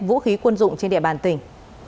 vũ khí quân dụng trên địa bàn tỉnh